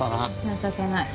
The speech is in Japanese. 情けない。